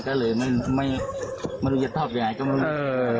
ก็เลยมันจะตอบอย่างไรก็ไม่ได้